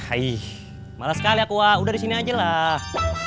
aih malas sekali aku wak udah disini aja lah